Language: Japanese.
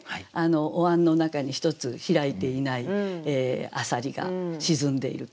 おわんの中にひとつ開いていない浅蜊が沈んでいると。